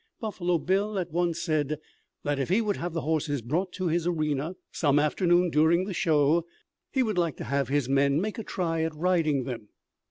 Buffalo Bill at once said that if he would have the horses brought to his arena some afternoon during the show he would like to have his men make a try at riding them.